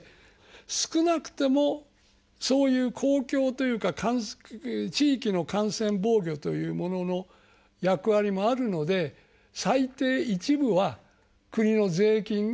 少なくてもそういう公共というか地域の感染防御というものの役割もあるので、最低一部は国の税金が入るということ。